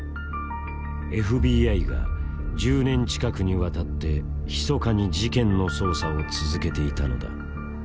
ＦＢＩが１０年近くにわたってひそかに事件の捜査を続けていたのだ。